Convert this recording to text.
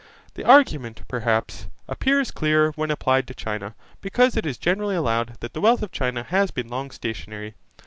The argument, perhaps, appears clearer when applied to China, because it is generally allowed that the wealth of China has been long stationary.